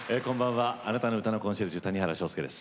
改めましてあなたの歌のコンシェルジュ谷原章介です。